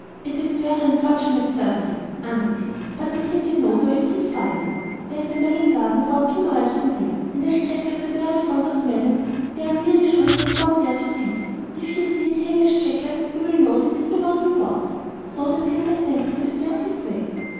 'It is very unfortunate, certainly,' answered he; 'but I think I know where you can find him. There is a melon garden about two miles from here, and as jackals are very fond of melons they are nearly sure to have gone there to feed. If you see a tailless jackal you will know that he is the one you want.' So the panther thanked him and went his way.